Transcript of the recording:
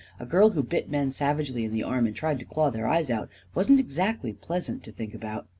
A girl who bit men savagely in the arm and tried to claw their eyes out wasn't exactly pleasant to think about.